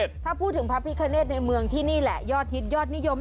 ถ้าพูดถึงพระพิคเนธในเมืองที่นี่แหละยอดฮิตยอดนิยม